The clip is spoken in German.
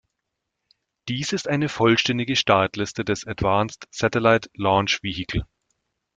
Dies ist eine vollständige Startliste des Advanced Satellite Launch Vehicle.